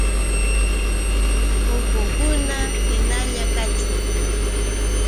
¡Uqukuna hinalla kachun!